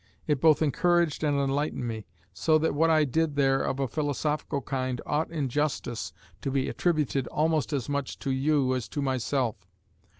It both encouraged and enlightened me; so that what I did there of a philosophical kind ought in justice to be attributed almost as much to you as to myself.